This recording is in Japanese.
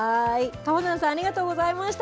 かほなんさん、ありがとうございました。